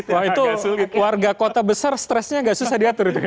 wah itu keluarga kota besar stresnya nggak susah diatur gitu ya